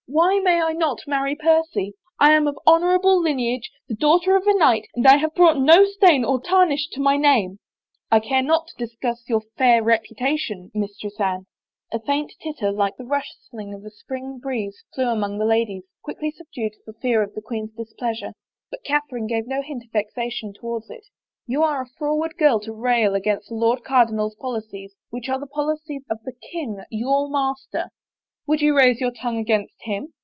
Why may I not marry Percy ? I am of honor able lineage, the daughter of a knight, and I have brought no stain or tarnish to my name —"" I care not to discuss your fair reputation, Mistress Anne." A faint titter, like the rustling of a spring breeze, flew among the ladies, quickly subdued for fear of the queen's displeasure. But Catherine gave no hint of vexation to wards it. " You are a froward girl to rail at the Lord Cardinal's 8 THE QUEEN'S REFUSAL ! policies — which are the policies of the king, your mas ter. Would you raise your tongue against him?